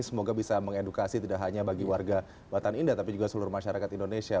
semoga bisa mengedukasi tidak hanya bagi warga batan indah tapi juga seluruh masyarakat indonesia